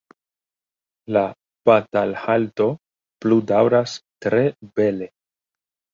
“La batalhalto pludaŭras tre bele.